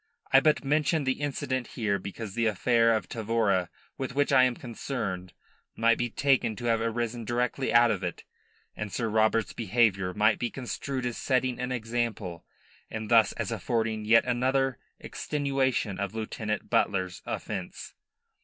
I but mention the incident here because the affair of Tavora with which I am concerned may be taken to have arisen directly out of it, and Sir Robert's behaviour may be construed as setting an example and thus as affording yet another extenuation of Lieutenant Butler's offence.